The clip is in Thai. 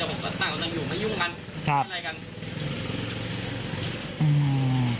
แต่ผมก็ต่างคนนั่งอยู่ไม่ยุ่งมันทำอะไรกัน